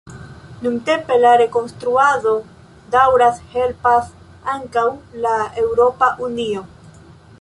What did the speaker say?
Nuntempe la rekonstruado daŭras, helpas ankaŭ la Eŭropa Unio.